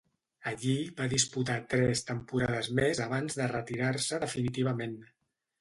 Allí va disputar tres temporades més abans de retirar-se definitivament.